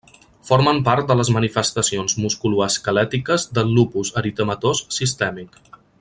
Formen part de les manifestacions musculoesquelètiques del lupus eritematós sistèmic.